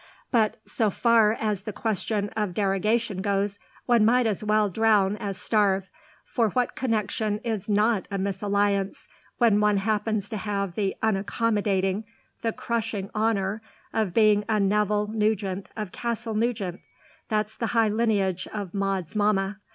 But so far as the question of derogation goes one might as well drown as starve for what connexion is not a misalliance when one happens to have the unaccommodating, the crushing honour of being a Neville Nugent of Castle Nugent? That's the high lineage of Maud's mamma.